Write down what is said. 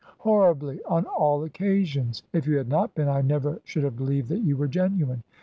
"Horribly, on all occasions. If you had not been, I never should have believed that you were genuine.